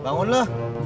bangun lu